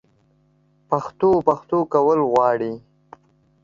پښتو؛ پښتو کول غواړي